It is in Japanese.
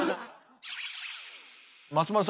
松丸さん